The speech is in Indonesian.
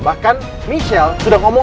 bahkan michelle sudah ngomong